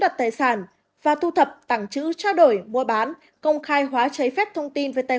đặt tài sản và thu thập tảng chữ trao đổi mua bán công khai hóa trái phép thông tin về tài